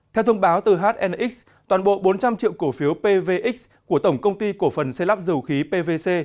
theo thông báo từ hnx toàn bộ bốn trăm linh triệu cổ phiếu pvx của tổng công ty cổ phần xây lắp dầu khí pvc